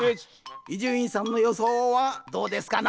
伊集院さんのよそうはどうですかな？